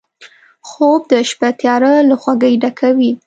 خوب د شپه تیاره له خوږۍ ډکوي